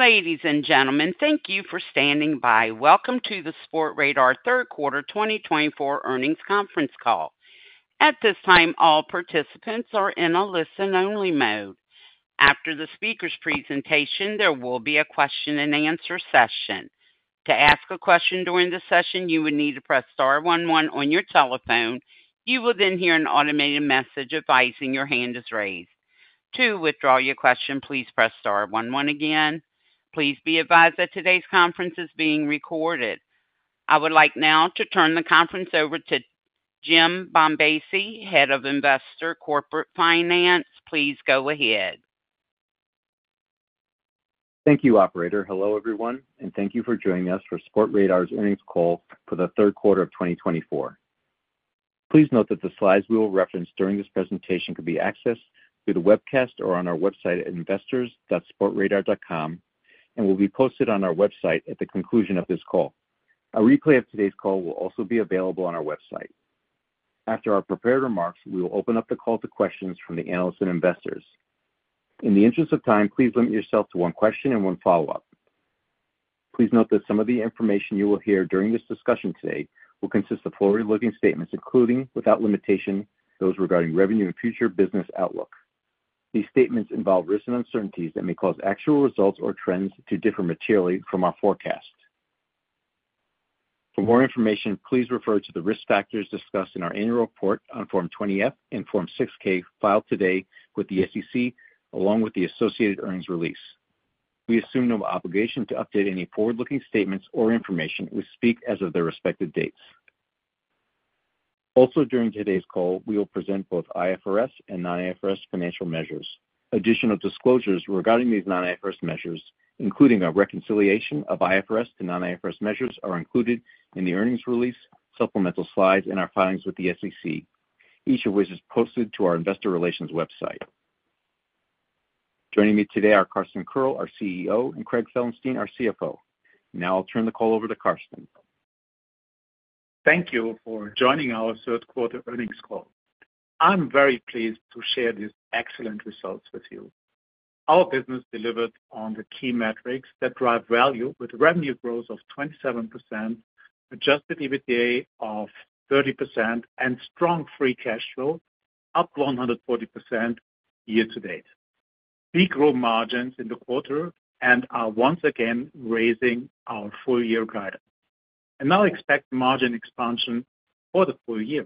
Ladies and gentlemen, thank you for standing by. Welcome to the Sportradar third quarter 2024 earnings conference call. At this time, all participants are in a listen-only mode. After the speaker's presentation, there will be a question-and-answer session. To ask a question during the session, you would need to press star one one on your telephone. You will then hear an automated message advising your hand is raised. To withdraw your question, please press star one one again. Please be advised that today's conference is being recorded. I would like now to turn the conference over to Jim Bombassei, Head of Investor Relations and Corporate Finance. Please go ahead. Thank you, Operator. Hello, everyone, and thank you for joining us for Sportradar's earnings call for the third quarter of 2024. Please note that the slides we will reference during this presentation could be accessed through the webcast or on our website at investors.sportradar.com and will be posted on our website at the conclusion of this call. A replay of today's call will also be available on our website. After our prepared remarks, we will open up the call to questions from the analysts and investors. In the interest of time, please limit yourself to one question and one follow-up. Please note that some of the information you will hear during this discussion today will consist of forward-looking statements, including, without limitation, those regarding revenue and future business outlook. These statements involve risks and uncertainties that may cause actual results or trends to differ materially from our forecast. For more information, please refer to the risk factors discussed in our annual report on Form 20-F and Form 6-K filed today with the SEC, along with the associated earnings release. We assume no obligation to update any forward-looking statements or information we speak as of their respective dates. Also, during today's call, we will present both IFRS and non-IFRS financial measures. Additional disclosures regarding these non-IFRS measures, including a reconciliation of IFRS to non-IFRS measures, are included in the earnings release, supplemental slides, and our filings with the SEC, each of which is posted to our investor relations website. Joining me today are Carsten Koerl, our CEO, and Craig Felenstein, our CFO. Now I'll turn the call over to Carsten. Thank you for joining our third quarter earnings call. I'm very pleased to share these excellent results with you. Our business delivered on the key metrics that drive value, with revenue growth of 27%, adjusted EBITDA of 30%, and strong free cash flow up 140% year-to-date. We grew margins in the quarter and are once again raising our full-year guidance, and now expect margin expansion for the full year.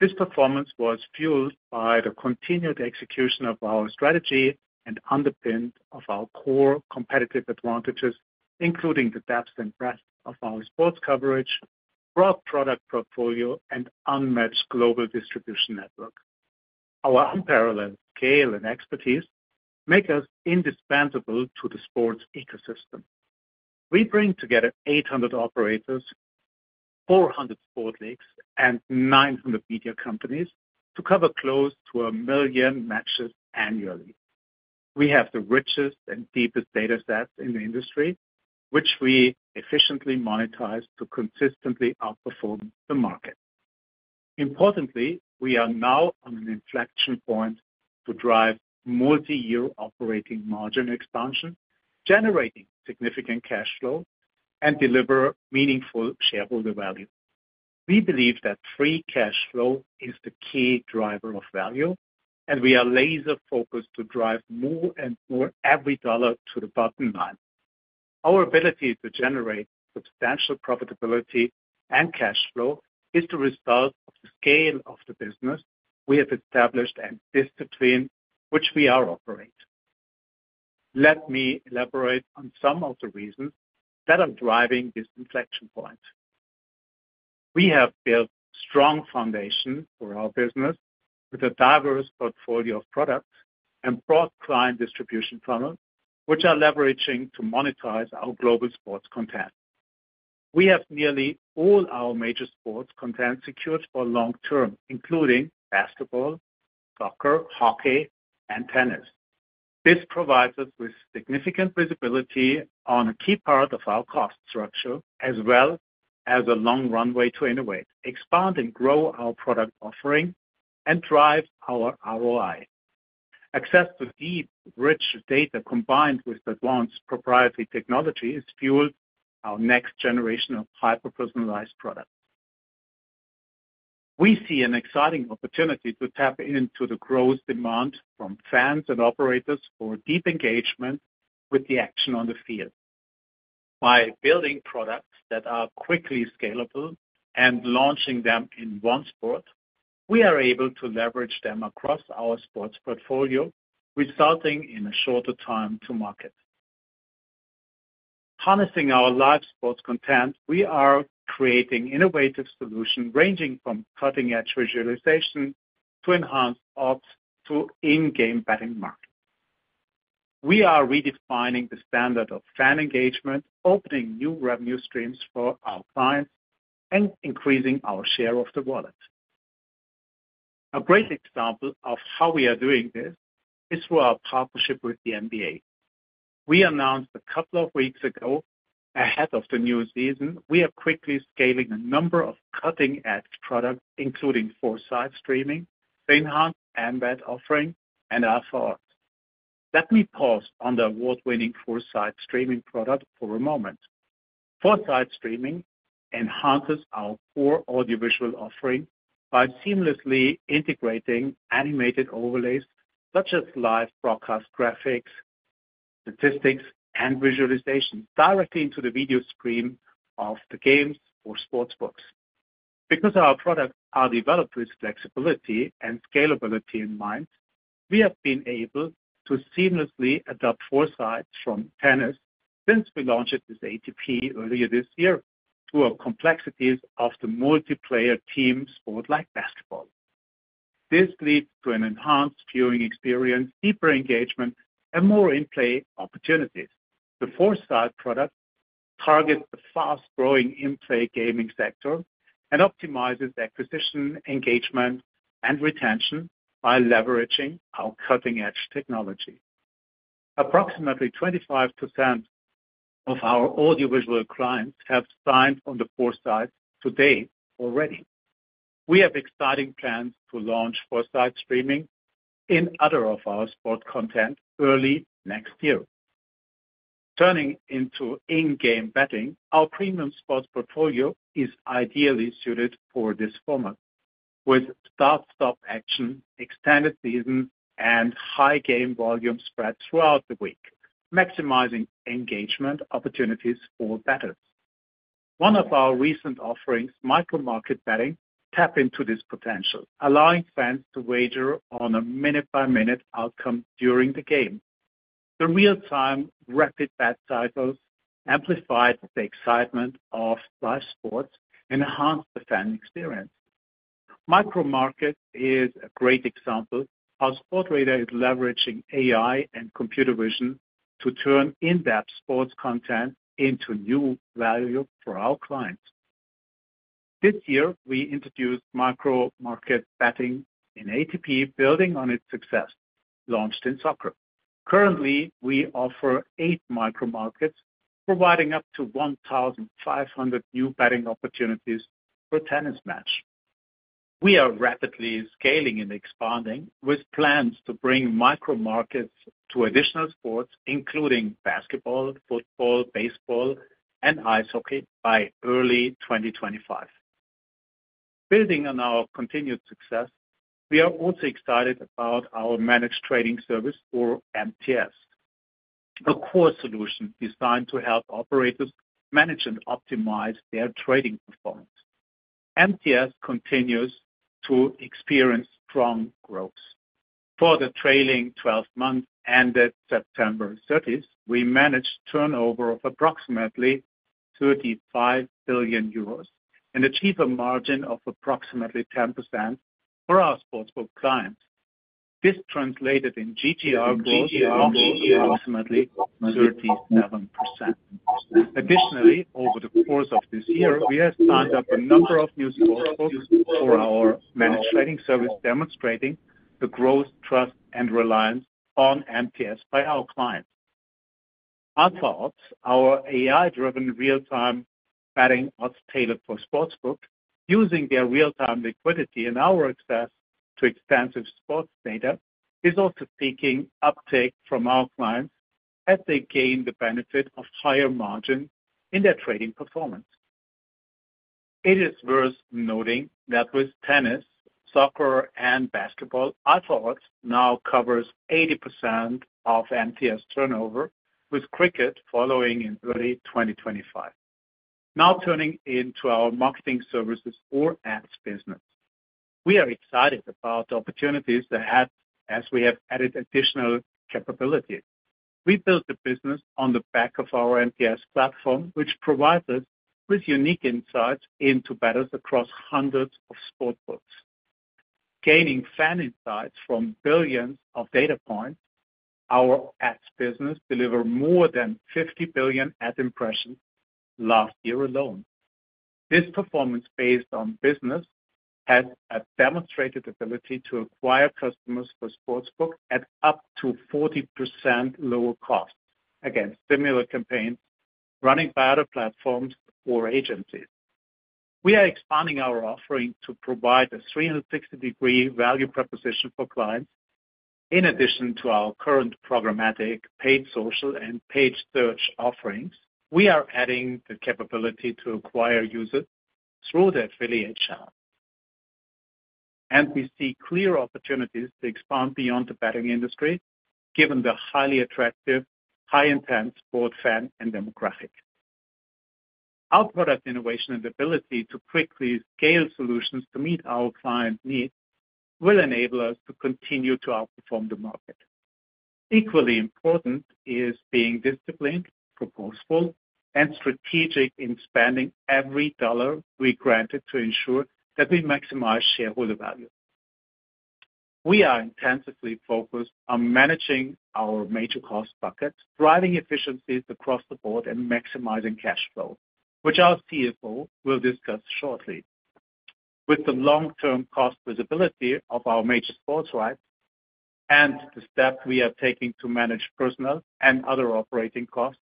This performance was fueled by the continued execution of our strategy and underpinned by our core competitive advantages, including the depth and breadth of our sports coverage, broad product portfolio, and unmatched global distribution network. Our unparalleled scale and expertise make us indispensable to the sports ecosystem. We bring together 800 operators, 400 sports leagues, and 900 media companies to cover close to a million matches annually. We have the richest and deepest data sets in the industry, which we efficiently monetize to consistently outperform the market. Importantly, we are now on an inflection point to drive multi-year operating margin expansion, generating significant cash flow, and deliver meaningful shareholder value. We believe that free cash flow is the key driver of value, and we are laser-focused to drive more and more every dollar to the bottom line. Our ability to generate substantial profitability and cash flow is the result of the scale of the business we have established and the discipline with which we operate. Let me elaborate on some of the reasons that are driving this inflection point. We have built a strong foundation for our business with a diverse portfolio of products and broad client distribution funnels, which are leveraging to monetize our global sports content. We have nearly all our major sports content secured for long-term, including basketball, soccer, hockey, and tennis. This provides us with significant visibility on a key part of our cost structure, as well as a long runway to innovate, expand, and grow our product offering and drive our ROI. Access to deep, rich data combined with advanced proprietary technology has fueled our next generation of hyper-personalized products. We see an exciting opportunity to tap into the growth demand from fans and operators for deep engagement with the action on the field. By building products that are quickly scalable and launching them in one sport, we are able to leverage them across our sports portfolio, resulting in a shorter time to market. Harnessing our live sports content, we are creating innovative solutions ranging from cutting-edge visualization to enhanced ops to in-game betting markets. We are redefining the standard of fan engagement, opening new revenue streams for our clients, and increasing our share of the wallet. A great example of how we are doing this is through our partnership with the NBA. We announced a couple of weeks ago, ahead of the new season, we are quickly scaling a number of cutting-edge products, including 4Sight Streaming, the enhanced emBET offering, and our Alpha Odds. Let me pause on the award-winning 4Sight Streaming product for a moment. 4Sight Streaming enhances our core Audiovisual offering by seamlessly integrating animated overlays such as live broadcast graphics, statistics, and visualizations directly into the video stream of the games or sportsbooks. Because our products are developed with flexibility and scalability in mind, we have been able to seamlessly adopt 4Sight from tennis since we launched with ATP earlier this year to our complexities of the multiplayer team sport like basketball. This leads to an enhanced viewing experience, deeper engagement, and more in-play opportunities. The 4Sight product targets the fast-growing in-play gaming sector and optimizes acquisition, engagement, and retention by leveraging our cutting-edge technology. Approximately 25% of our audiovisual clients have signed on to 4Sight today already. We have exciting plans to launch 4Sight Streaming in other of our sports content early next year. Turning into in-game betting, our premium sports portfolio is ideally suited for this format, with start-stop action, extended seasons, and high game volume spread throughout the week, maximizing engagement opportunities for bettors. One of our recent offerings, micro-market betting, taps into this potential, allowing fans to wager on a minute-by-minute outcome during the game. The real-time rapid bet cycles amplify the excitement of live sports and enhance the fan experience. Micro-market is a great example of how Sportradar is leveraging AI and computer vision to turn in-depth sports content into new value for our clients. This year, we introduced micro-market betting in ATP, building on its success launched in soccer. Currently, we offer eight micro-markets, providing up to 1,500 new betting opportunities for tennis matches. We are rapidly scaling and expanding, with plans to bring micro-markets to additional sports, including basketball, football, baseball, and ice hockey, by early 2025. Building on our continued success, we are also excited about our Managed Trading Services, or MTS, a core solution designed to help operators manage and optimize their trading performance. MTS continues to experience strong growth. For the trailing 12 months ended September 30, we managed a turnover of approximately 35 billion euros and achieved a margin of approximately 10% for our sportsbook clients. This translated in GGR growth of approximately 37%. Additionally, over the course of this year, we have signed up a number of new sportsbooks for our Managed Trading Service, demonstrating the growth, trust, and reliance on MTS by our clients. Alpha Odds, our AI-driven real-time betting odds tailored for sportsbooks, using their real-time liquidity and our access to extensive sports data, is also seeing uptake from our clients as they gain the benefit of higher margins in their trading performance. It is worth noting that with tennis, soccer, and basketball, Alpha Odds now cover 80% of MTS turnover, with cricket following in early 2025. Now turning into our marketing services or ads business, we are excited about the opportunities that have as we have added additional capabilities. We built the business on the back of our MTS platform, which provides us with unique insights into bettors across hundreds of sportsbooks. Gaining fan insights from billions of data points, our ads business delivered more than 50 billion ad impressions last year alone. This performance based on business has a demonstrated ability to acquire customers for sportsbooks at up to 40% lower costs against similar campaigns running by other platforms or agencies. We are expanding our offering to provide a 360-degree value proposition for clients. In addition to our current programmatic paid social and paid search offerings, we are adding the capability to acquire users through the affiliate channel. We see clear opportunities to expand beyond the betting industry, given the highly attractive, high-intent sports fan and demographic. Our product innovation and ability to quickly scale solutions to meet our clients' needs will enable us to continue to outperform the market. Equally important is being disciplined, purposeful, and strategic in spending every dollar we granted to ensure that we maximize shareholder value. We are intensively focused on managing our major cost buckets, driving efficiencies across the board, and maximizing cash flow, which our CFO will discuss shortly. With the long-term cost visibility of our major sports rights and the steps we are taking to manage personnel and other operating costs,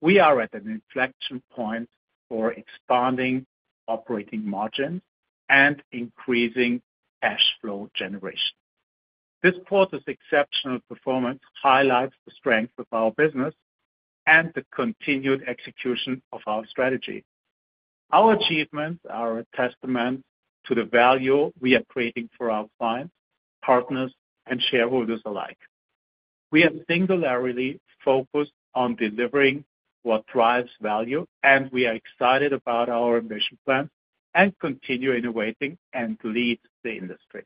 we are at an inflection point for expanding operating margins and increasing cash flow generation. This quarter's exceptional performance highlights the strength of our business and the continued execution of our strategy. Our achievements are a testament to the value we are creating for our clients, partners, and shareholders alike. We are singularly focused on delivering what drives value, and we are excited about our ambitious plans and continue innovating and lead the industry.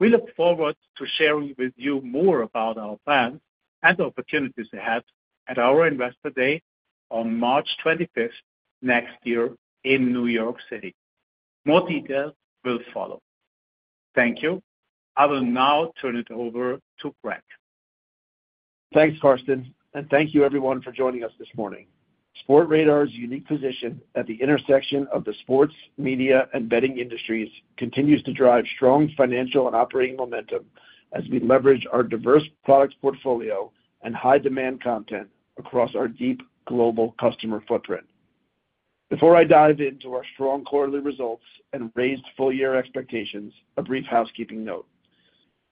We look forward to sharing with you more about our plans and opportunities ahead at our Investor Day on March 25 next year in New York City. More details will follow. Thank you. I will now turn it over to Craig. Thanks, Carsten, and thank you, everyone, for joining us this morning. Sportradar's unique position at the intersection of the sports, media, and betting industries continues to drive strong financial and operating momentum as we leverage our diverse product portfolio and high-demand content across our deep global customer footprint. Before I dive into our strong quarterly results and raised full-year expectations, a brief housekeeping note.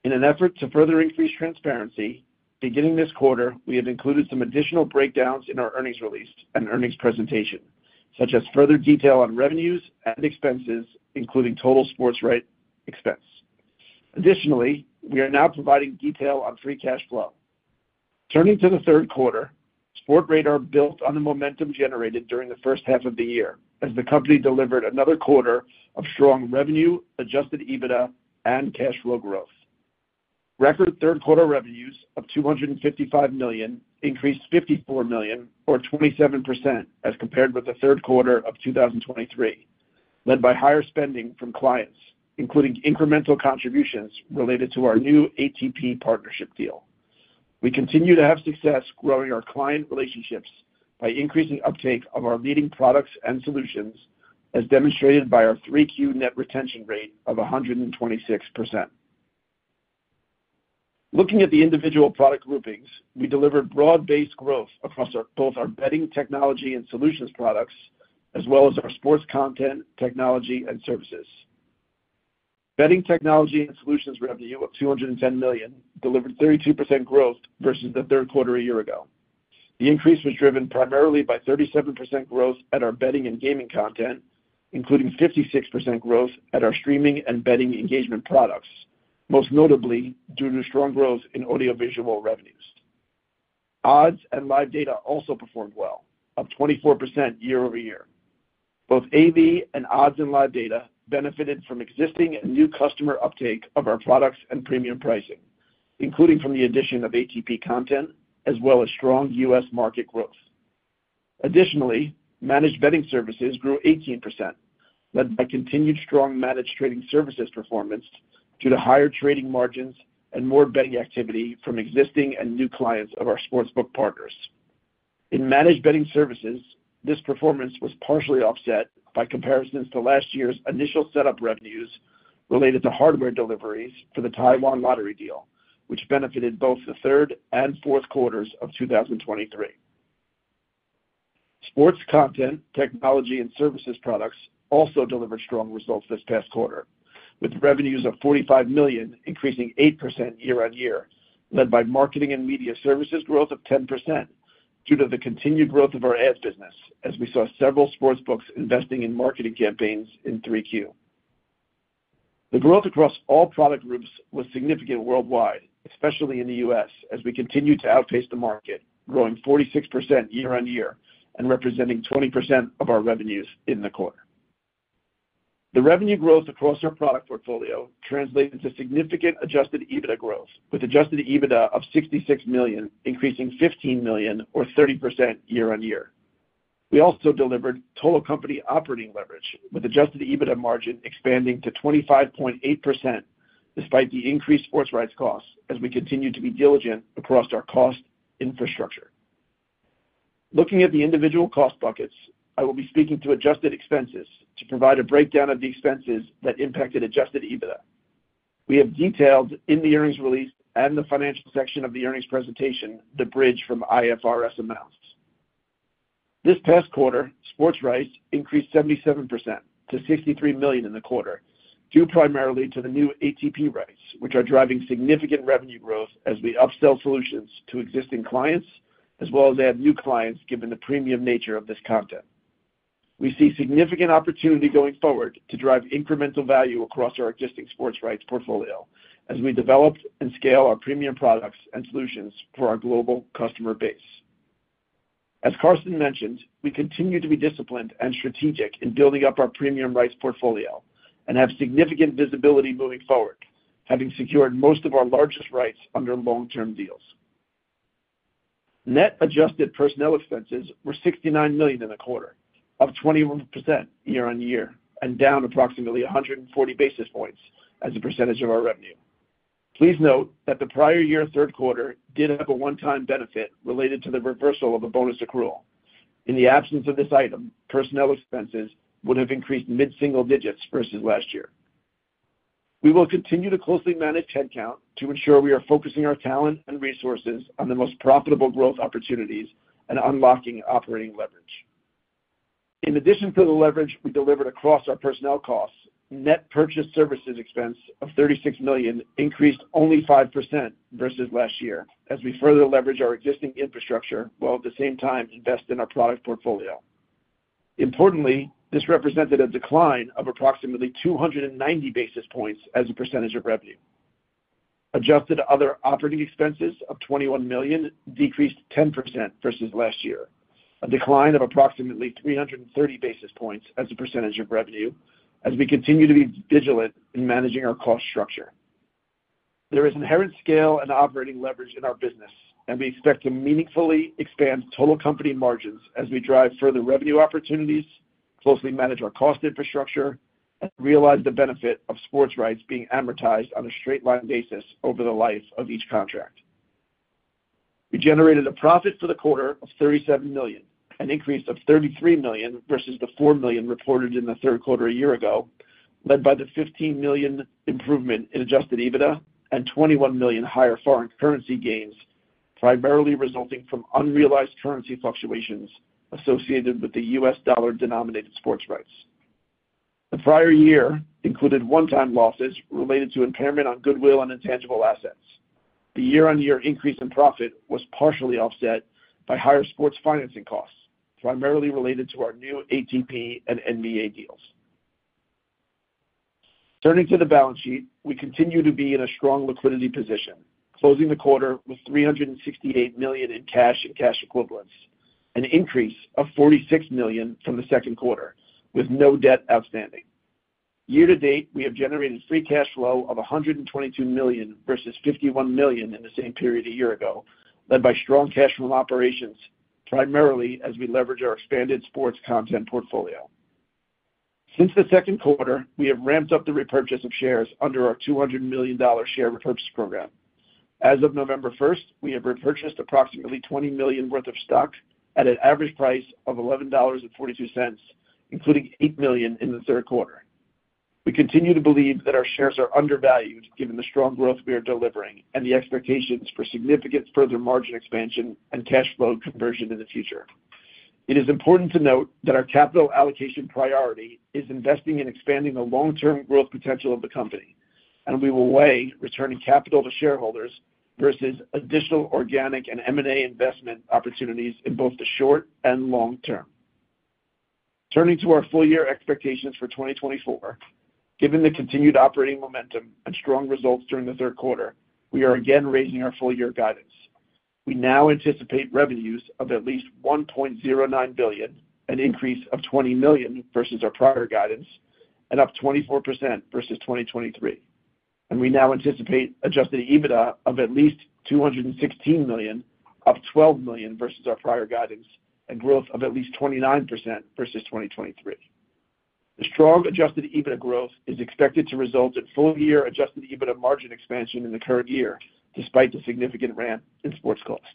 In an effort to further increase transparency, beginning this quarter, we have included some additional breakdowns in our earnings release and earnings presentation, such as further detail on revenues and expenses, including total sports rights expense. Additionally, we are now providing details on Free Cash Flow. Turning to the third quarter, Sportradar built on the momentum generated during the first half of the year as the company delivered another quarter of strong revenue, Adjusted EBITDA, and cash flow growth. Record third quarter revenues of $255 million increased $54 million, or 27%, as compared with the third quarter of 2023, led by higher spending from clients, including incremental contributions related to our new ATP partnership deal. We continue to have success growing our client relationships by increasing uptake of our leading products and solutions, as demonstrated by our 3Q net retention rate of 126%. Looking at the individual product groupings, we delivered broad-based growth across both our Betting Technology and Solutions products, as well as our Sports Content, Technology and Services. Betting Technology and Solutions revenue of $210 million delivered 32% growth versus the third quarter a year ago. The increase was driven primarily by 37% growth at our Betting and Gaming Content, including 56% growth at our Streaming and Betting Engagement products, most notably due to strong growth in audiovisual revenues. Odds and Live Data also performed well, up 24% year-over-year. Both AV and odds and Live Data benefited from existing and new customer uptake of our products and premium pricing, including from the addition of ATP content, as well as strong U.S. market growth. Additionally, Managed Betting Services grew 18%, led by continued strong Managed Trading Services performance due to higher trading margins and more betting activity from existing and new clients of our sportsbook partners. In Managed Betting Services, this performance was partially offset by comparisons to last year's initial setup revenues related to hardware deliveries for the Taiwan Lottery deal, which benefited both the third and fourth quarters of 2023. Sports Content, Technology and Services products also delivered strong results this past quarter, with revenues of $45 million increasing 8% year-on-year, led by Marketing and Media Services growth of 10% due to the continued growth of our ads business, as we saw several sportsbooks investing in marketing campaigns in 3Q. The growth across all product groups was significant worldwide, especially in the U.S., as we continue to outpace the market, growing 46% year-on-year and representing 20% of our revenues in the quarter. The revenue growth across our product portfolio translated to significant adjusted EBITDA growth, with adjusted EBITDA of $66 million increasing $15 million, or 30% year-on-year. We also delivered total company operating leverage, with adjusted EBITDA margin expanding to 25.8% despite the increased sports rights costs, as we continue to be diligent across our cost infrastructure. Looking at the individual cost buckets, I will be speaking to adjusted expenses to provide a breakdown of the expenses that impacted Adjusted EBITDA. We have detailed in the earnings release and the financial section of the earnings presentation the bridge from IFRS amounts. This past quarter, sports rights increased 77% to $63 million in the quarter, due primarily to the new ATP rights, which are driving significant revenue growth as we upsell solutions to existing clients, as well as add new clients given the premium nature of this content. We see significant opportunity going forward to drive incremental value across our existing sports rights portfolio as we develop and scale our premium products and solutions for our global customer base. As Carsten mentioned, we continue to be disciplined and strategic in building up our premium rights portfolio and have significant visibility moving forward, having secured most of our largest rights under long-term deals. Net adjusted personnel expenses were $69 million in the quarter, up 21% year-on-year and down approximately 140 basis points as a percentage of our revenue. Please note that the prior year third quarter did have a one-time benefit related to the reversal of a bonus accrual. In the absence of this item, personnel expenses would have increased mid-single digits versus last year. We will continue to closely manage headcount to ensure we are focusing our talent and resources on the most profitable growth opportunities and unlocking operating leverage. In addition to the leverage we delivered across our personnel costs, net purchased services expense of $36 million increased only 5% versus last year as we further leverage our existing infrastructure while at the same time invest in our product portfolio. Importantly, this represented a decline of approximately 290 basis points as a percentage of revenue. Adjusted other operating expenses of $21 million decreased 10% versus last year, a decline of approximately 330 basis points as a percentage of revenue as we continue to be vigilant in managing our cost structure. There is inherent scale and operating leverage in our business, and we expect to meaningfully expand total company margins as we drive further revenue opportunities, closely manage our cost infrastructure, and realize the benefit of sports rights being amortized on a straight-line basis over the life of each contract. We generated a profit for the quarter of $37 million, an increase of $33 million versus the $4 million reported in the third quarter a year ago, led by the $15 million improvement in Adjusted EBITDA and $21 million higher foreign currency gains, primarily resulting from unrealized currency fluctuations associated with the U.S. dollar-denominated sports rights. The prior year included one-time losses related to impairment on goodwill and intangible assets. The year-on-year increase in profit was partially offset by higher sports financing costs, primarily related to our new ATP and NBA deals. Turning to the balance sheet, we continue to be in a strong liquidity position, closing the quarter with $368 million in cash and cash equivalents, an increase of $46 million from the second quarter, with no debt outstanding. Year to date, we have generated free cash flow of $122 million versus $51 million in the same period a year ago, led by strong cash from operations, primarily as we leverage our expanded sports content portfolio. Since the second quarter, we have ramped up the repurchase of shares under our $200 million share repurchase program. As of November 1, we have repurchased approximately $20 million worth of stock at an average price of $11.42, including $8 million in the third quarter. We continue to believe that our shares are undervalued given the strong growth we are delivering and the expectations for significant further margin expansion and cash flow conversion in the future. It is important to note that our capital allocation priority is investing in expanding the long-term growth potential of the company, and we will weigh returning capital to shareholders versus additional organic and M&A investment opportunities in both the short and long-term. Turning to our full-year expectations for 2024, given the continued operating momentum and strong results during the third quarter, we are again raising our full-year guidance. We now anticipate revenues of at least $1.09 billion, an increase of $20 million versus our prior guidance, and up 24% versus 2023. And we now anticipate Adjusted EBITDA of at least $216 million, up $12 million versus our prior guidance, and growth of at least 29% versus 2023. The strong Adjusted EBITDA growth is expected to result in full-year Adjusted EBITDA margin expansion in the current year, despite the significant ramp in sports costs.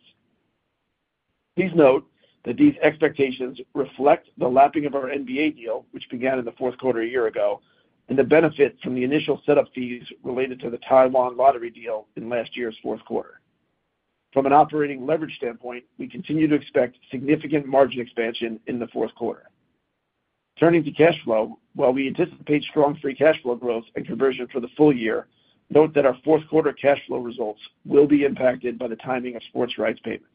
Please note that these expectations reflect the lapping of our NBA deal, which began in the fourth quarter a year ago, and the benefit from the initial setup fees related to the Taiwan Lottery deal in last year's fourth quarter. From an operating leverage standpoint, we continue to expect significant margin expansion in the fourth quarter. Turning to cash flow, while we anticipate strong free cash flow growth and conversion for the full year, note that our fourth quarter cash flow results will be impacted by the timing of sports rights payments.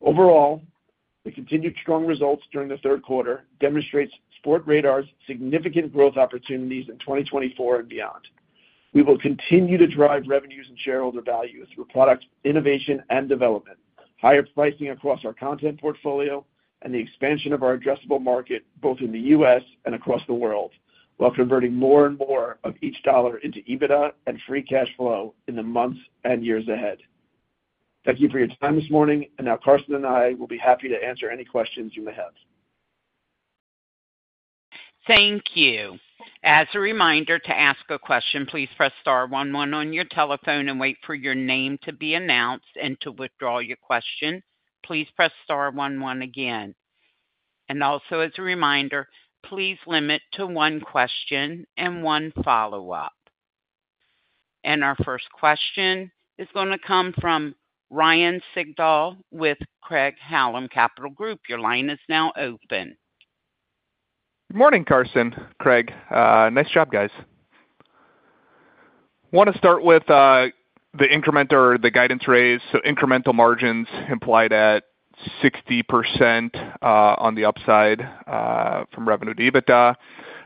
Overall, the continued strong results during the third quarter demonstrate Sportradar's significant growth opportunities in 2024 and beyond. We will continue to drive revenues and shareholder value through product innovation and development, higher pricing across our content portfolio, and the expansion of our addressable market both in the U.S. And across the world, while converting more and more of each dollar into EBITDA and free cash flow in the months and years ahead. Thank you for your time this morning, and now Carsten and I will be happy to answer any questions you may have. Thank you. As a reminder to ask a question, please press star one one on your telephone and wait for your name to be announced and to withdraw your question. Please press star one one again, and also, as a reminder, please limit to one question and one follow-up, and our first question is going to come from Ryan Sigdahl with Craig-Hallum Capital Group. Your line is now open. Good morning, Carsten. Craig, nice job, guys. Want to start with the increment or the guidance raise? So incremental margins implied at 60% on the upside from revenue to EBITDA.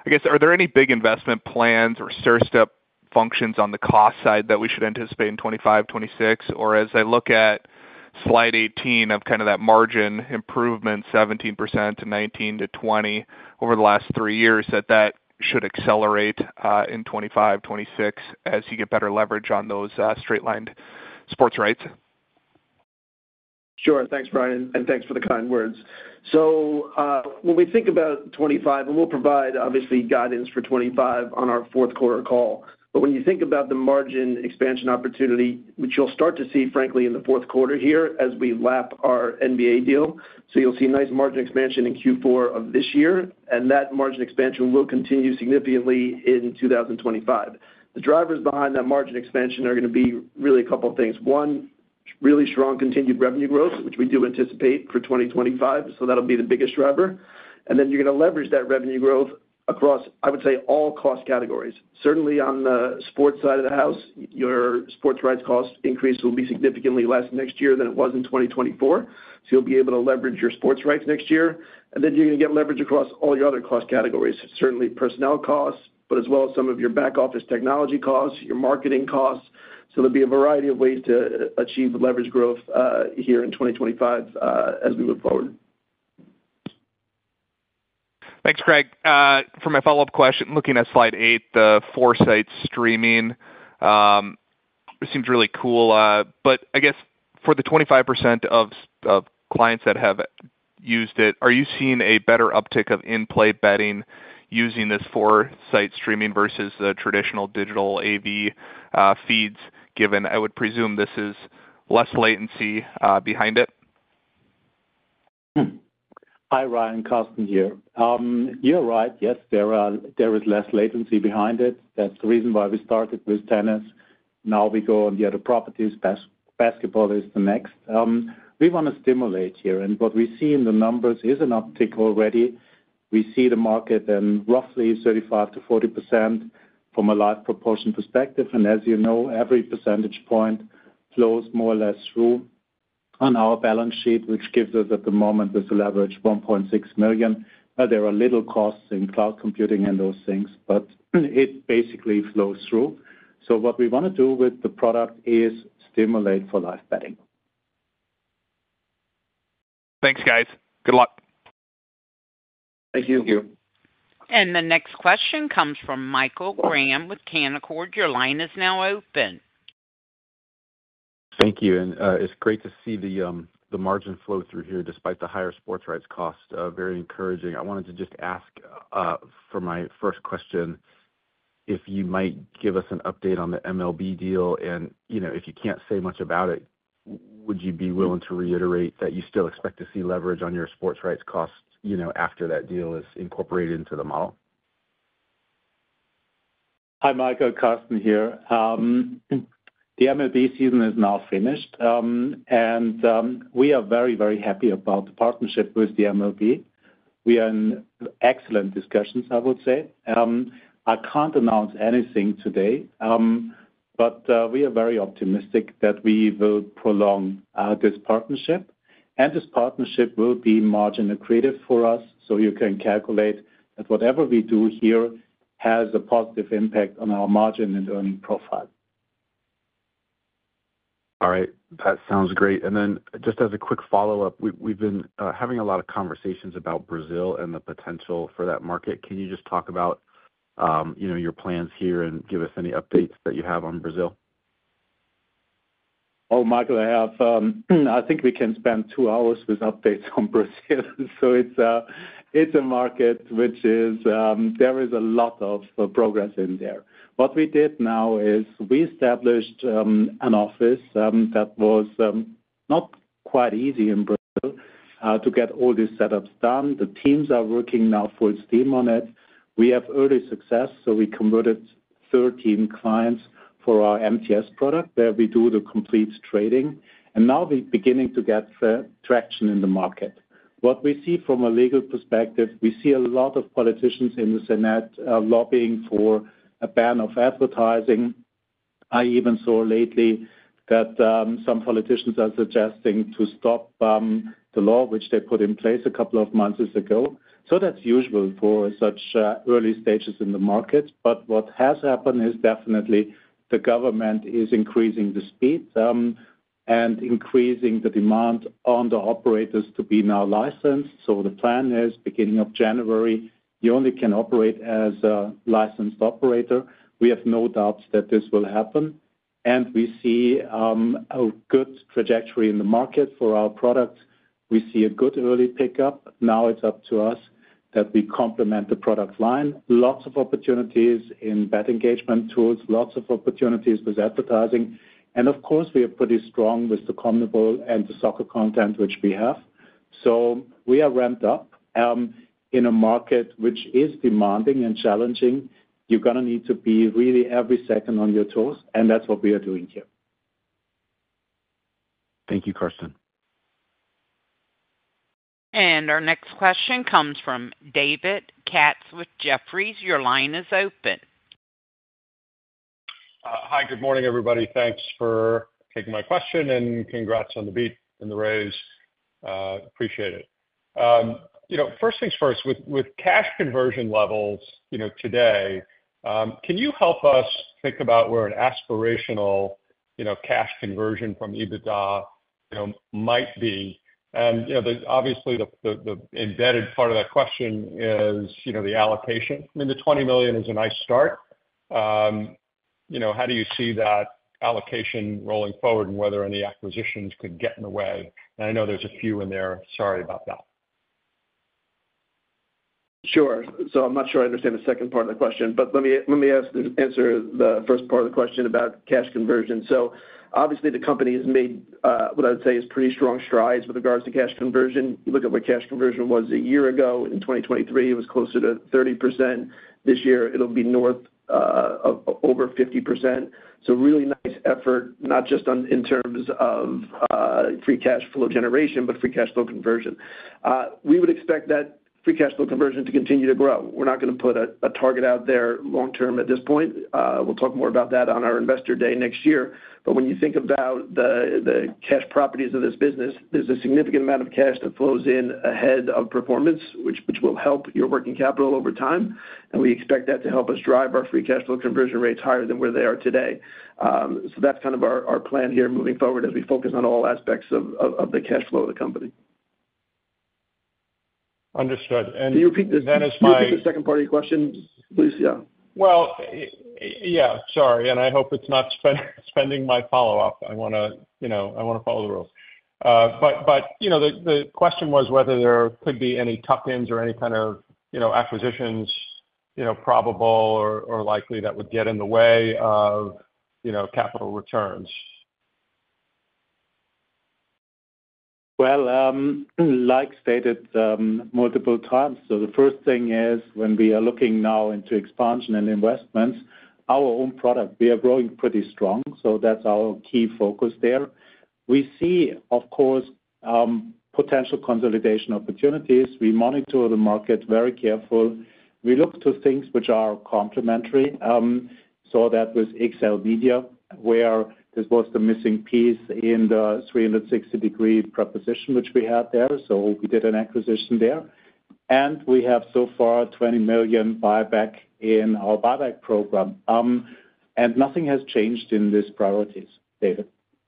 I guess, are there any big investment plans or stair-step functions on the cost side that we should anticipate in 2025, 2026? Or as I look at slide 18 of kind of that margin improvement, 17%-19%-20% over the last three years, that should accelerate in 2025, 2026 as you get better leverage on those straight-lined sports rights? Sure. Thanks, Brian, and thanks for the kind words, so when we think about 2025, and we'll provide, obviously, guidance for 2025 on our fourth quarter call, but when you think about the margin expansion opportunity, which you'll start to see, frankly, in the fourth quarter here as we lap our NBA deal, so you'll see nice margin expansion in Q4 of this year, and that margin expansion will continue significantly in 2025. The drivers behind that margin expansion are going to be really a couple of things. One, really strong continued revenue growth, which we do anticipate for 2025, so that'll be the biggest driver, and then you're going to leverage that revenue growth across, I would say, all cost categories. Certainly, on the sports side of the house, your sports rights cost increase will be significantly less next year than it was in 2024. So you'll be able to leverage your sports rights next year. And then you're going to get leverage across all your other cost categories, certainly personnel costs, but as well as some of your back-office technology costs, your marketing costs. So there'll be a variety of ways to achieve leverage growth here in 2025 as we move forward. Thanks, Craig. For my follow-up question, looking at slide 8, the 4Sight Streaming seems really cool. But I guess for the 25% of clients that have used it, are you seeing a better uptick of in-play betting using this 4Sight Streaming versus the traditional digital AV feeds, given I would presume this is less latency behind it? Hi, Ryan. Carsten here. You're right. Yes, there is less latency behind it. That's the reason why we started with tennis. Now we go on the other properties. Basketball is the next. We want to stimulate here, and what we see in the numbers is an uptick already. We see the market in roughly 35%-40% from a live proportion perspective. And as you know, every percentage point flows more or less through on our balance sheet, which gives us at the moment this leverage, $1.6 million. There are little costs in cloud computing and those things, but it basically flows through. So what we want to do with the product is stimulate for live betting. Thanks, guys. Good luck. Thank you. Thank you. The next question comes from Michael Graham with Canaccord. Your line is now open. Thank you. And it's great to see the margin flow through here despite the higher sports rights cost. Very encouraging. I wanted to just ask for my first question if you might give us an update on the MLB deal. And if you can't say much about it, would you be willing to reiterate that you still expect to see leverage on your sports rights costs after that deal is incorporated into the model? Hi, Michael. Carsten here. The MLB season is now finished, and we are very, very happy about the partnership with the MLB. We are in excellent discussions, I would say. I can't announce anything today, but we are very optimistic that we will prolong this partnership, and this partnership will be margin accretive for us, so you can calculate that whatever we do here has a positive impact on our margin and earning profile. All right. That sounds great. And then just as a quick follow-up, we've been having a lot of conversations about Brazil and the potential for that market. Can you just talk about your plans here and give us any updates that you have on Brazil? Oh, Michael, I think we can spend two hours with updates on Brazil. So it's a market which there is a lot of progress in there. What we did now is we established an office that was not quite easy in Brazil to get all these setups done. The teams are working now full steam on it. We have early success, so we converted 13 clients for our MTS product where we do the complete trading. And now we're beginning to get traction in the market. What we see from a legal perspective, we see a lot of politicians in the Senate lobbying for a ban of advertising. I even saw lately that some politicians are suggesting to stop the law, which they put in place a couple of months ago. So that's usual for such early stages in the market. But what has happened is definitely the government is increasing the speed and increasing the demand on the operators to be now licensed. So the plan is beginning of January, you only can operate as a licensed operator. We have no doubts that this will happen. And we see a good trajectory in the market for our product. We see a good early pickup. Now it's up to us that we complement the product line. Lots of opportunities in bet engagement tools, lots of opportunities with advertising. And of course, we are pretty strong with the CONMEBOL and the soccer content which we have. So we are ramped up in a market which is demanding and challenging. You're going to need to be really every second on your toes, and that's what we are doing here. Thank you, Carsten. Our next question comes from David Katz with Jefferies. Your line is open. Hi, good morning, everybody. Thanks for taking my question and congrats on the beat and the raise. Appreciate it. First things first, with cash conversion levels today, can you help us think about where an aspirational cash conversion from EBITDA might be? And obviously, the embedded part of that question is the allocation. I mean, the $20 million is a nice start. How do you see that allocation rolling forward and whether any acquisitions could get in the way? And I know there's a few in there. Sorry about that. Sure. So I'm not sure I understand the second part of the question, but let me answer the first part of the question about cash conversion. So obviously, the company has made what I would say is pretty strong strides with regards to cash conversion. You look at where cash conversion was a year ago. In 2023, it was closer to 30%. This year, it'll be north of over 50%. So really nice effort, not just in terms of Free Cash Flow generation, but Free Cash Flow conversion. We would expect that Free Cash Flow conversion to continue to grow. We're not going to put a target out there long-term at this point. We'll talk more about that on our Investor Day next year. But when you think about the cash properties of this business, there's a significant amount of cash that flows in ahead of performance, which will help your working capital over time. And we expect that to help us drive our Free Cash Flow conversion rates higher than where they are today. So that's kind of our plan here moving forward as we focus on all aspects of the cash flow of the company. Understood. Can you repeat the second part of your question, please? Yeah. Well, yeah, sorry. And I hope it's not impinging on my follow-up. I want to follow the rules. But the question was whether there could be any tuck-ins or any kind of acquisitions probable or likely that would get in the way of capital returns. Well, like stated multiple times, so the first thing is when we are looking now into expansion and investments, our own product, we are growing pretty strong. So that's our key focus there. We see, of course, potential consolidation opportunities. We monitor the market very careful. We look to things which are complementary. Saw that with XLMedia, where this was the missing piece in the 360-degree proposition which we had there. So we did an acquisition there. And we have so far $20 million buyback in our buyback program. And nothing has changed in these priorities, David.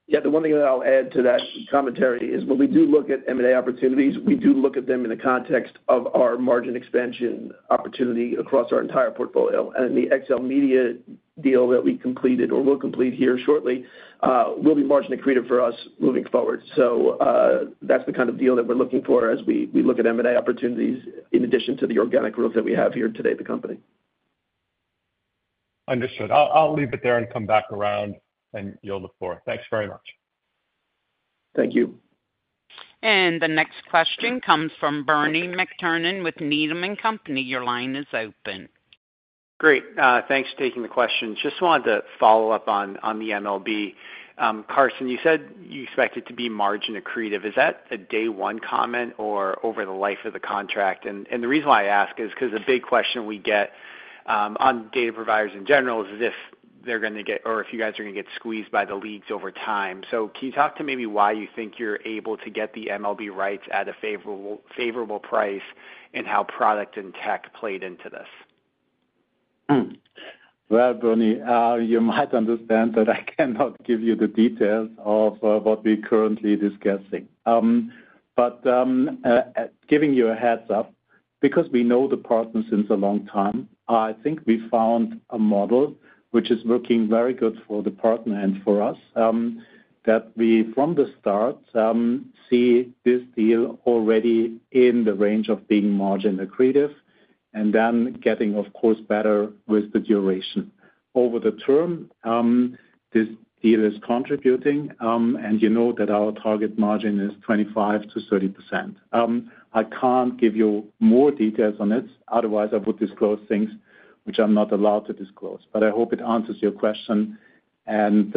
Yeah, the one thing that I'll add to that commentary is when we do look at M&A opportunities, we do look at them in the context of our margin expansion opportunity across our entire portfolio. And the XLMedia deal that we completed or will complete here shortly will be margin accretive for us moving forward. So that's the kind of deal that we're looking for as we look at M&A opportunities in addition to the organic growth that we have here today at the company. Understood. I'll leave it there and come back around, and you'll look for it. Thanks very much. Thank you. And the next question comes from Bernie McTernan with Needham & Company. Your line is open. Great. Thanks for taking the question. Just wanted to follow up on the MLB. Carsten, you said you expect it to be margin accretive. Is that a day-one comment or over the life of the contract? And the reason why I ask is because the big question we get on data providers in general is if they're going to get or if you guys are going to get squeezed by the leagues over time. So can you talk to maybe why you think you're able to get the MLB rights at a favorable price and how product and tech played into this? Bernie, you might understand that I cannot give you the details of what we're currently discussing, but giving you a heads-up, because we know the partner since a long time, I think we found a model which is working very good for the partner and for us that we, from the start, see this deal already in the range of being margin accretive and then getting, of course, better with the duration. Over the term, this deal is contributing, and you know that our target margin is 25%-30%. I can't give you more details on it. Otherwise, I would disclose things which I'm not allowed to disclose, but I hope it answers your question, and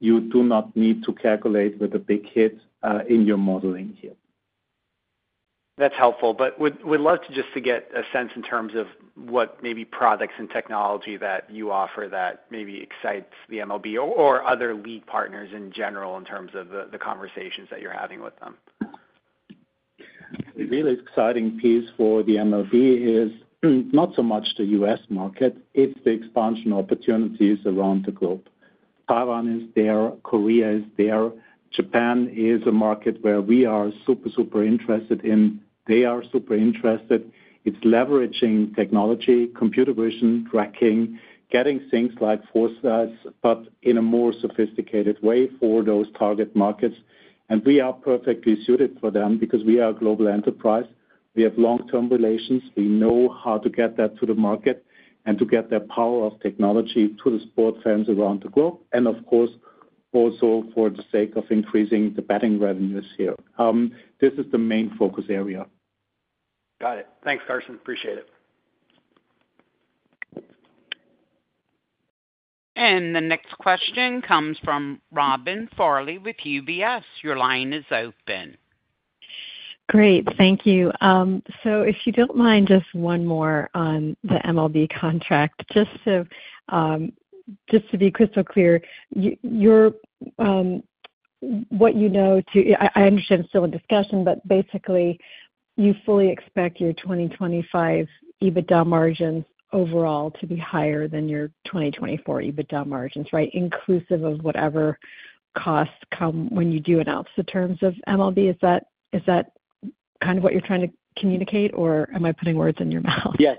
you do not need to calculate with a big hit in your modeling here. That's helpful. But we'd love just to get a sense in terms of what maybe products and technology that you offer that maybe excites the MLB or other lead partners in general in terms of the conversations that you're having with them. The really exciting piece for the MLB is not so much to U.S. market. It's the expansion opportunities around the globe. Taiwan is there. Korea is there. Japan is a market where we are super, super interested in. They are super interested. It's leveraging technology, computer vision, tracking, getting things like 4Sight, but in a more sophisticated way for those target markets. And we are perfectly suited for them because we are a global enterprise. We have long-term relations. We know how to get that to the market and to get that power of technology to the sports fans around the globe. And of course, also for the sake of increasing the betting revenues here. This is the main focus area. Got it. Thanks, Carsten. Appreciate it. The next question comes from Robin Farley with UBS. Your line is open. Great. Thank you. So if you don't mind, just one more on the MLB contract. Just to be crystal clear, what you know, too. I understand it's still in discussion, but basically, you fully expect your 2025 EBITDA margins overall to be higher than your 2024 EBITDA margins, right, inclusive of whatever costs come when you do announce the terms of MLB. Is that kind of what you're trying to communicate, or am I putting words in your mouth? Yes.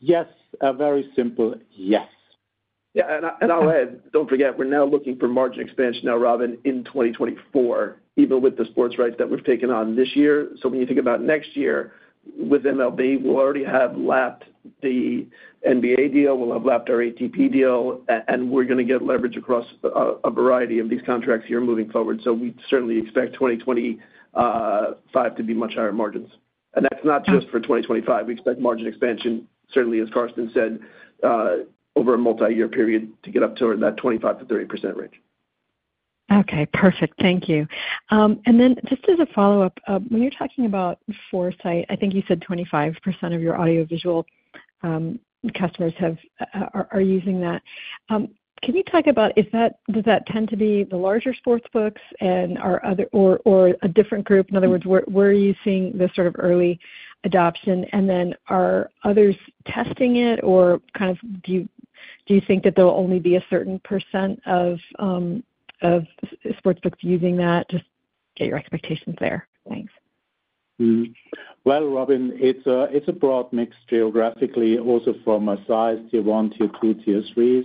Yes. A very simple yes. Yeah. And I'll add, don't forget, we're now looking for margin expansion now, Robin, in 2024, even with the sports rights that we've taken on this year. So when you think about next year with MLB, we'll already have lapped the NBA deal. We'll have lapped our ATP deal, and we're going to get leverage across a variety of these contracts here moving forward. So we certainly expect 2025 to be much higher margins. And that's not just for 2025. We expect margin expansion, certainly, as Carsten said, over a multi-year period to get up to that 25%-30% range. Okay. Perfect. Thank you. And then just as a follow-up, when you're talking about 4Sight, I think you said 25% of your audiovisual customers are using that. Can you talk about does that tend to be the larger sportsbooks or a different group? In other words, where are you seeing the sort of early adoption? And then are others testing it, or kind of, do you think that there will only be a certain % of sportsbooks using that? Just get your expectations there. Thanks. Robin, it's a broad mix geographically, also from a size tier one, tier two, tier three.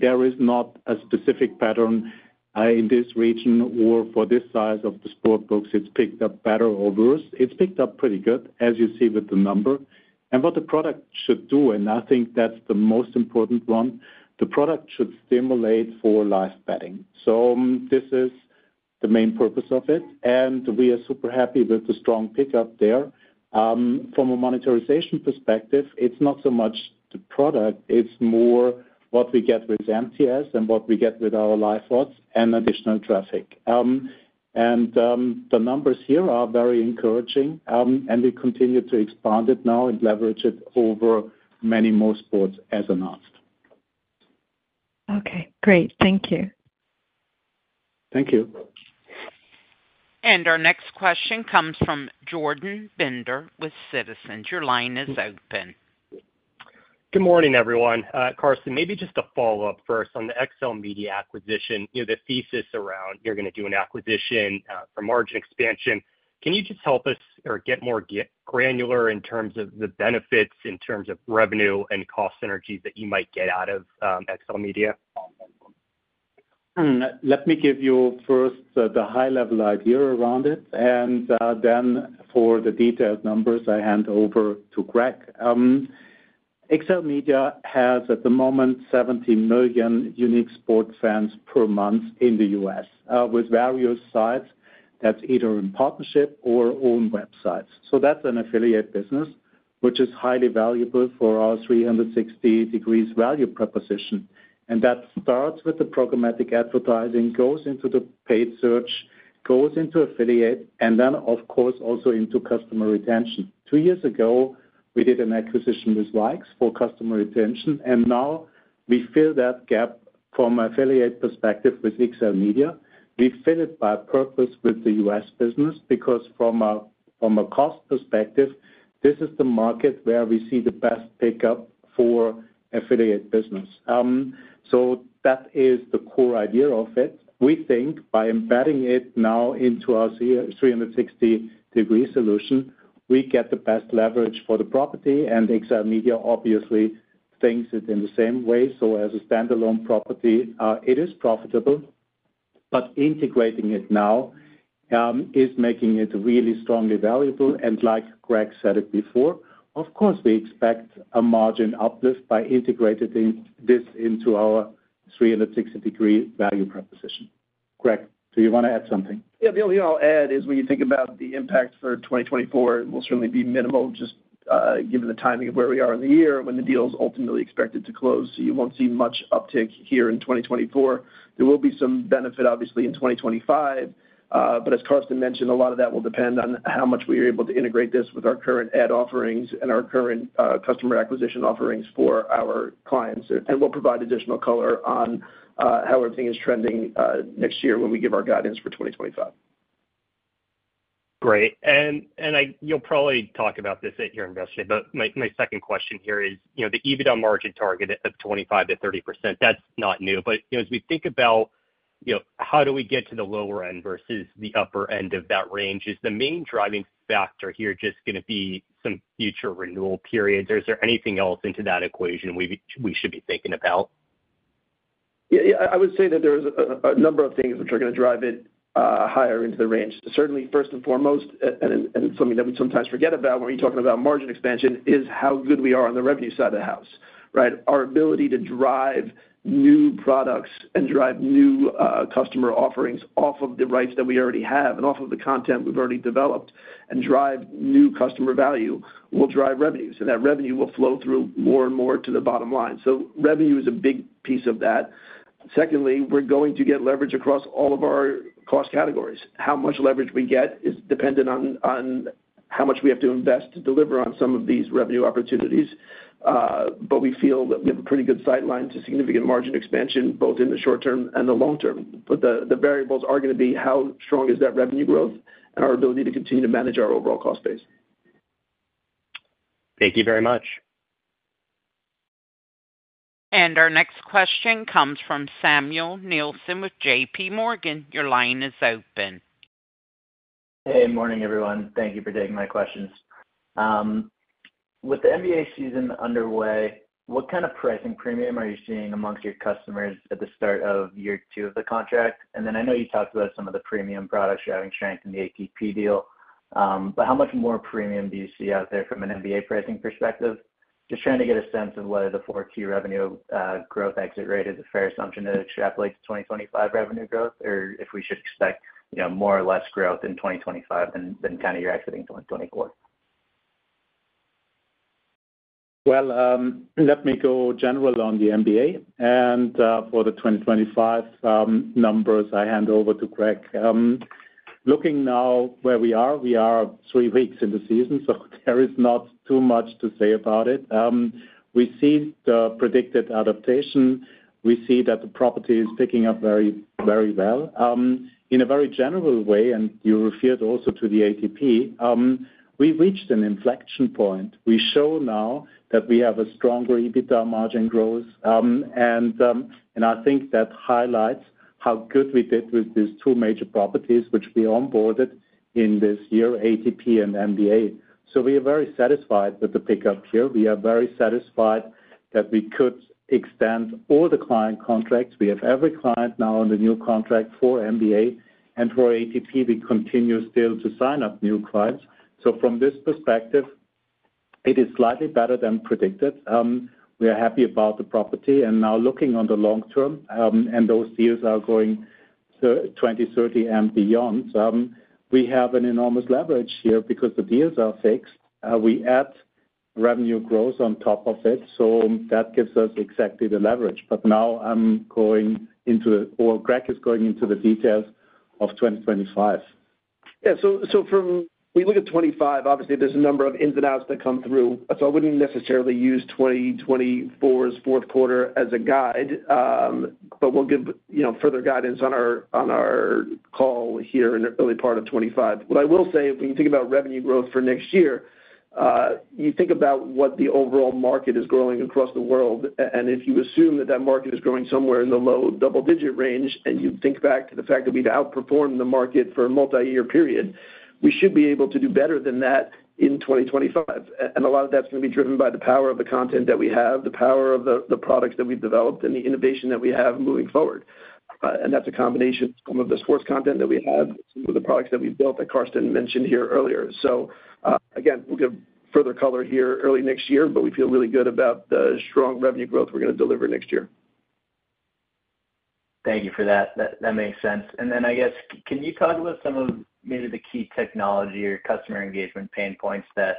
There is not a specific pattern in this region or for this size of sportsbooks. it's picked up better or worse. It's picked up pretty good, as you see with the number. What the product should do, and I think that's the most important one, the product should stimulate for live betting. This is the main purpose of it. We are super happy with the strong pickup there. From a monetization perspective, it's not so much the product. It's more what we get with MTS and what we get with our live odds and additional traffic. The numbers here are very encouraging. We continue to expand it now and leverage it over many more sports as announced. Okay. Great. Thank you. Thank you. Our next question comes from Jordan Bender with Citizens. Your line is open. Good morning, everyone. Carsten, maybe just a follow-up first on the XLMedia acquisition, the thesis around you're going to do an acquisition for margin expansion. Can you just help us or get more granular in terms of the benefits, in terms of revenue and cost synergies that you might get out of XLMedia? Let me give you first the high-level idea around it. And then for the detailed numbers, I hand over to Craig. XLMedia has at the moment 70 million unique sports fans per month in the U.S. with various sites. That's either in partnership or own websites. So that's an affiliate business, which is highly valuable for our 360-degree value proposition. And that starts with the programmatic advertising, goes into the paid search, goes into affiliate, and then, of course, also into customer retention. Two years ago, we did an acquisition with Vaix for customer retention. And now we fill that gap from an affiliate perspective with XLMedia. We fill it by purpose with the U.S. business because from a cost perspective, this is the market where we see the best pickup for affiliate business. So that is the core idea of it. We think by embedding it now into our 360-degree solution, we get the best leverage for the property. And XLMedia, obviously, thinks it in the same way. So as a standalone property, it is profitable. But integrating it now is making it really strongly valuable. And like Craig said it before, of course, we expect a margin uplift by integrating this into our 360-degree value proposition. Craig, do you want to add something? Yeah. The only thing I'll add is when you think about the impact for 2024, it will certainly be minimal, just given the timing of where we are in the year when the deal is ultimately expected to close. So you won't see much uptick here in 2024. There will be some benefit, obviously, in 2025. But as Carsten mentioned, a lot of that will depend on how much we are able to integrate this with our current ad offerings and our current customer acquisition offerings for our clients. And we'll provide additional color on how everything is trending next year when we give our guidance for 2025. Great. And you'll probably talk about this at your investor, but my second question here is the EBITDA margin target of 25%-30%. That's not new. But as we think about how do we get to the lower end versus the upper end of that range, is the main driving factor here just going to be some future renewal periods, or is there anything else into that equation we should be thinking about? Yeah. I would say that there's a number of things which are going to drive it higher into the range. Certainly, first and foremost, and something that we sometimes forget about when we're talking about margin expansion is how good we are on the revenue side of the house, right? Our ability to drive new products and drive new customer offerings off of the rights that we already have and off of the content we've already developed and drive new customer value will drive revenues. And that revenue will flow through more and more to the bottom line. So revenue is a big piece of that. Secondly, we're going to get leverage across all of our cost categories. How much leverage we get is dependent on how much we have to invest to deliver on some of these revenue opportunities. But we feel that we have a pretty good sight line to significant margin expansion, both in the short-term and the long-term. But the variables are going to be how strong is that revenue growth and our ability to continue to manage our overall cost base. Thank you very much. Our next question comes from Samuel Nielsen with JPMorgan. Your line is open. Hey. Morning, everyone. Thank you for taking my questions. With the NBA season underway, what kind of pricing premium are you seeing among your customers at the start of year two of the contract? And then I know you talked about some of the premium products you're having in the ATP deal. But how much more premium do you see out there from an NBA pricing perspective? Just trying to get a sense of whether the 4Q revenue growth exit rate is a fair assumption to extrapolate to 2025 revenue growth, or if we should expect more or less growth in 2025 than kind of your exiting 2024? Let me go general on the NBA. And for the 2025 numbers, I hand over to Craig. Looking now where we are, we are three weeks into the season, so there is not too much to say about it. We see the predicted adaptation. We see that the property is picking up very, very well. In a very general way, and you referred also to the ATP, we've reached an inflection point. We show now that we have a stronger EBITDA margin growth. And I think that highlights how good we did with these two major properties which we onboarded in this year, ATP and NBA. So we are very satisfied with the pickup here. We are very satisfied that we could extend all the client contracts. We have every client now on the new contract for NBA. And for ATP, we continue still to sign up new clients. So from this perspective, it is slightly better than predicted. We are happy about the property. And now looking on the long-term, and those deals are going 2030 and beyond, we have an enormous leverage here because the deals are fixed. We add revenue growth on top of it. So that gives us exactly the leverage. But now I'm going into the, or Craig is going into the details of 2025. Yeah. So we look at 2025. Obviously, there's a number of ins and outs that come through. So I wouldn't necessarily use 2024's fourth quarter as a guide, but we'll give further guidance on our call here in the early part of 2025. What I will say, when you think about revenue growth for next year, you think about what the overall market is growing across the world. And if you assume that that market is growing somewhere in the low double-digit range, and you think back to the fact that we've outperformed the market for a multi-year period, we should be able to do better than that in 2025. And a lot of that's going to be driven by the power of the content that we have, the power of the products that we've developed, and the innovation that we have moving forward. That's a combination of some of the sports content that we have and some of the products that we've built that Carsten mentioned here earlier. Again, we'll give further color here early next year, but we feel really good about the strong revenue growth we're going to deliver next year. Thank you for that. That makes sense, and then I guess, can you talk about some of maybe the key technology or customer engagement pain points that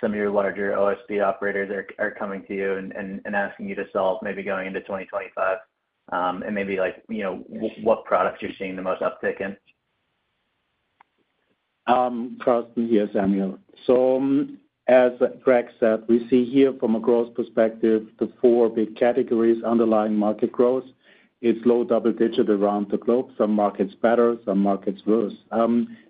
some of your larger OSB operators are coming to you and asking you to solve maybe going into 2025, and maybe what products you're seeing the most uptick in? Carsten, yes, Samuel. So as Craig said, we see here from a growth perspective the four big categories underlying market growth. It's low double-digit around the globe. Some markets better, some markets worse.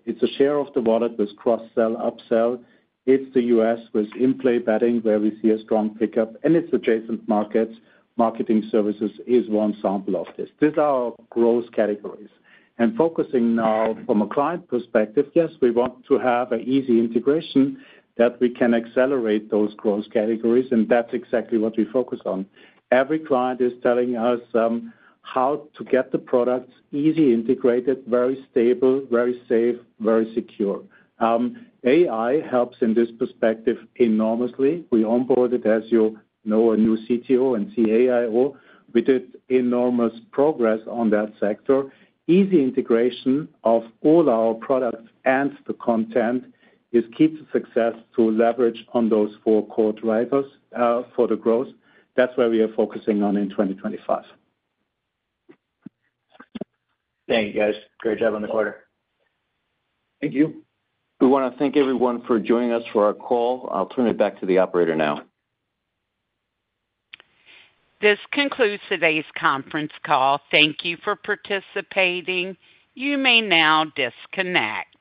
It's a share of the wallet with cross-sell upsell. It's the U.S. with in-play betting where we see a strong pickup. And it's adjacent markets. Marketing services is one sample of this. These are growth categories. And focusing now from a client perspective, yes, we want to have an easy integration that we can accelerate those growth categories. And that's exactly what we focus on. Every client is telling us how to get the products easily integrated, very stable, very safe, very secure. AI helps in this perspective enormously. We onboarded, as you know, a new Chief Technology Officer and Chief Information Officer. We did enormous progress on that sector. Easy integration of all our products and the content is key to success to leverage on those four core drivers for the growth. That's where we are focusing on in 2025. Thank you, guys. Great job on the quarter. Thank you. We want to thank everyone for joining us for our call. I'll turn it back to the operator now. This concludes today's conference call. Thank you for participating. You may now disconnect.